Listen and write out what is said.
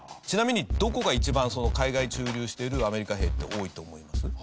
ちなみにどこが一番海外駐留しているアメリカ兵って多いと思います？